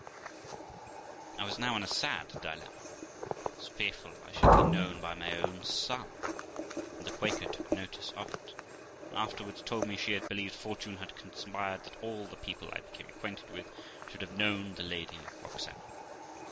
I was now in a sad dilemma, and was fearful I should be known by my own son ; and the Quaker took notice of it, and after wards told me she believed fortune had conspired that all the people I became acquainted with, should have known the Lady Roxana.